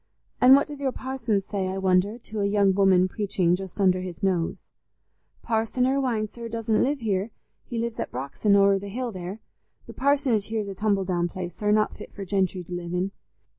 And what does your parson say, I wonder, to a young woman preaching just under his nose?" "Parson Irwine, sir, doesn't live here; he lives at Brox'on, over the hill there. The parsonage here's a tumble down place, sir, not fit for gentry to live in.